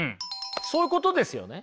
そういうことですよね。